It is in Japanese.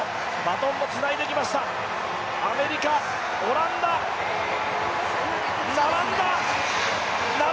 アメリカ、オランダ、並んだ！